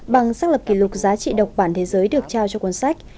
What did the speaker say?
bằng xác lập kỷ lục giá trị độc bản thế giới được trao cho cuốn sách